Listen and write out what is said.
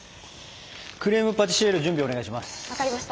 クレーム・パティシエール準備お願いします。